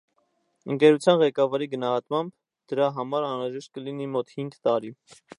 Ընկերության ղեկավարի գնահատմամբ, դրա համար անհրաժեշտ կլինի մոտ հինգ տարի։